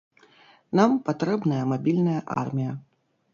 Нам патрэбная мабільная армія.